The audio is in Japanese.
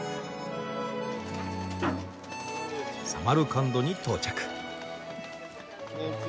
サマルカンドに到着。